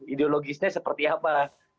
ideologisnya seperti apa